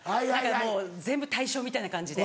もう全部対象みたいな感じで。